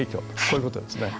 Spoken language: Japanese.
こういうことですね。